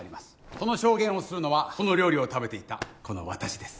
この証言をするのはその料理を食べていたこの私です